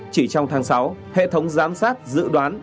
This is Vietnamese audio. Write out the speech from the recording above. chỉ trong tháng sáu hệ thống giám sát dự đoán